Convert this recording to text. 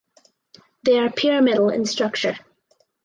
They are pyramidal in structure.